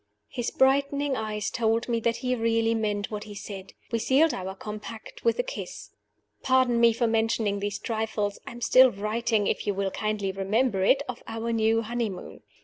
His brightening eyes told me that he really meant what he said. We sealed our compact with a kiss. Pardon me for mentioning these trifles I am still writing (if you will kindly remember it) of our new honeymoon.